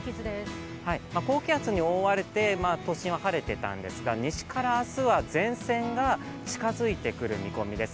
高気圧に覆われて都心は晴れてたんですが西から明日は前線が近づいてくる見込みです。